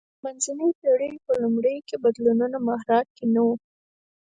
د منځنۍ پېړۍ په لومړیو کې بدلونونو محراق کې نه و